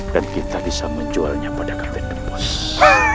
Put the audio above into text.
dan kita bisa menjualnya pada kapten depos